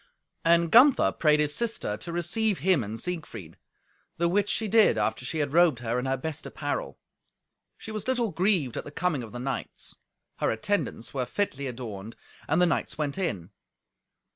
And Gunther prayed his sister to receive him and Siegfried. The which she did after she had robed her in her best apparel. She was little grieved at the coming of the knights. Her attendants were fitly adorned, and the knights went in.